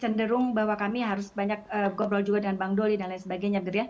cenderung bahwa kami harus banyak goblol juga dengan bang doli dan lain sebagainya